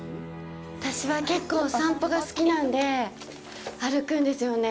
私は結構、散歩が好きなので歩くんですよね。